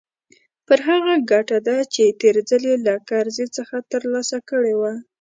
پر هغه ګټه ده چې تېر ځل يې له کرزي څخه ترلاسه کړې وه.